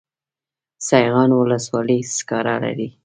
سیغان ولسوالۍ سکاره لري؟